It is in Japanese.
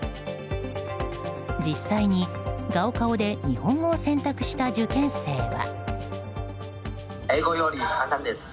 実際に高考で日本語を選択した受験生は。